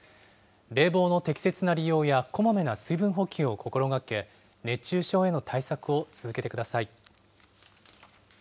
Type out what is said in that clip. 冷房の適切な利用や、こまめな水分補給を心がけ、熱中症への対策を続けてください。